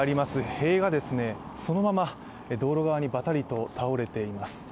塀がそのまま道路側にバタリと倒れています。